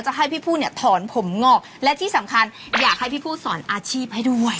ให้พี่ผู้เนี่ยถอนผมงอกและที่สำคัญอยากให้พี่ผู้สอนอาชีพให้ด้วย